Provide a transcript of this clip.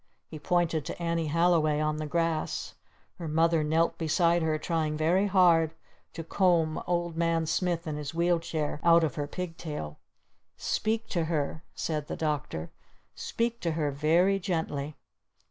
He pointed to Annie Halliway on the grass. Her Mother knelt beside her trying very hard to comb Old Man Smith and his wheel chair out of her pig tail. "Speak to her!" said the Doctor. "Speak to her very gently!"